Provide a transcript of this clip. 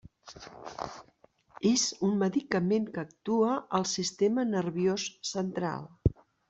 És un medicament que actua al sistema nerviós central.